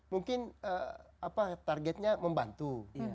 mungkin targetnya membantu